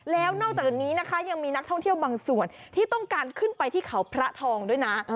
แล้วนอกจากนี้นะคะยังมีนักท่องเที่ยวบางส่วนที่ต้องการขึ้นไปที่เขาพระทองด้วยนะ